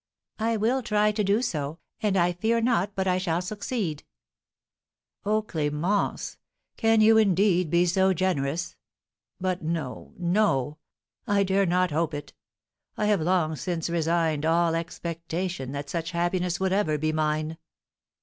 "I will try to do so, and I fear not but I shall succeed." "Oh, Clémence! Can you, indeed, be so generous? But no, no, I dare not hope it! I have long since resigned all expectation that such happiness would ever be mine."